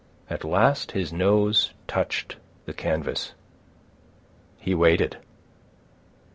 At last his nose touched the canvas. He waited.